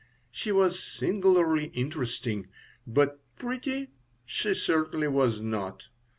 She was singularly interesting, but pretty she certainly was not.